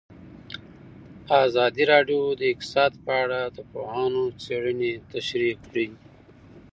ازادي راډیو د اقتصاد په اړه د پوهانو څېړنې تشریح کړې.